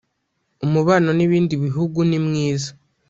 umubano n ibindi bihugu nimwiza